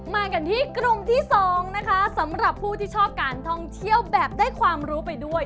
มากันที่กลุ่มที่๒นะคะสำหรับผู้ที่ชอบการท่องเที่ยวแบบได้ความรู้ไปด้วย